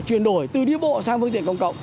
chuyển đổi từ đi bộ sang phương tiện công cộng